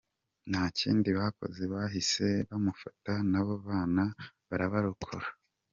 Nta kindi bakoze bahise bamufata, n’abo bana barabarokora.